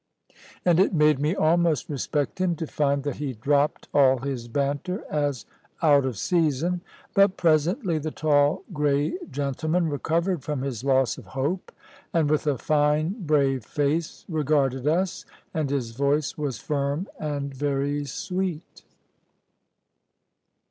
And it made me almost respect him to find that he dropped all his banter, as out of season. But presently the tall grey gentleman recovered from his loss of hope, and with a fine brave face regarded us. And his voice was firm and very sweet.